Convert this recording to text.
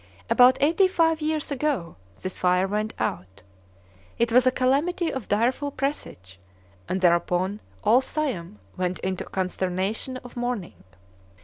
About eighty five years ago this fire went out. It was a calamity of direful presage, and thereupon all Siam went into a consternation of mourning.